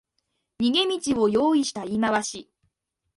逃げ道を用意した言い回し